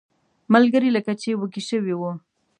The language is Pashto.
ملګري لکه چې وږي شوي وو.